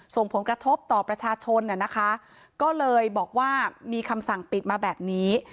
ส่งผลกระทบต่อประชาชนนะคะก็เลยบอกว่ามีคำสั่งปิดมาแบบนี้